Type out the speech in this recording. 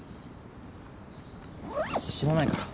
知らないから。